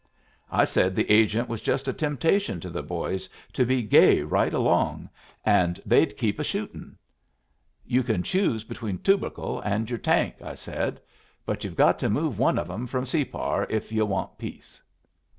I said the agent was just a temptation to the boys to be gay right along, and they'd keep a shooting. 'You can choose between Tubercle and your tank,' I said; 'but you've got to move one of 'em from Separ if yu' went peace.'